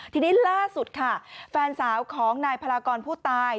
ทีนี้ล่าสุดค่ะแฟนสาวของนายพลากรผู้ตาย